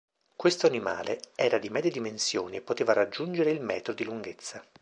Questo animale, era di medie dimensioni e poteva raggiungere il metro di lunghezza.